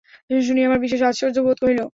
শুনিয়া আমার বিশেষ আশ্চর্য বোধ হইল।